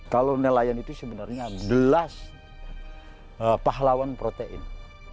kalau nelayan itu sebenarnya belas pahlawan protein